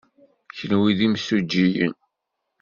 Kenwi d imsujjiyen?